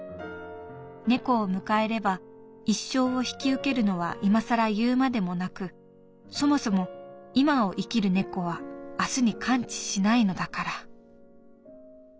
猫を迎えれば一生を引き受けるのは今更言うまでもなくそもそも今を生きる猫は明日に関知しないのだから」。